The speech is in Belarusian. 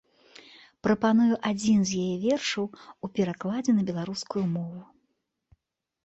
Прапаную адзін з яе вершаў у перакладзе на беларускую мову.